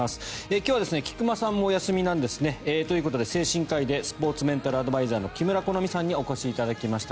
今日は菊間さんもお休みなんですね。ということで、精神科医でスポーツメンタルアドバイザーの木村好珠さんにお越しいただきました。